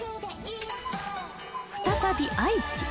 ［再び愛知］